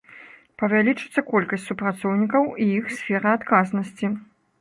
Павялічыцца колькасць супрацоўнікаў і іх сфера адказнасці.